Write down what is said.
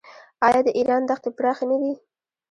آیا د ایران دښتې پراخې نه دي؟